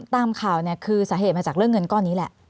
ตามข่าวเนี่ยคือสาเหตุมาจากเรื่องเงินก้อนนี้แหละ